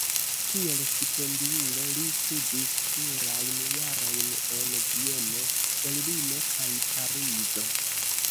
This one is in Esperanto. Kiel stipendiulo li studis plurajn jarojn en Vieno, Berlino kaj Parizo.